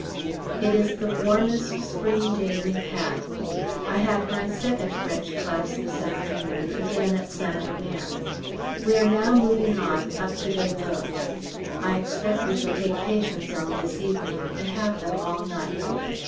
It is the warmest spring day we've had. I had my second French class this afternoon again at St Omer. We are now moving on, up to Bailleul. I expect we shall take patients on this evening, and have them all night.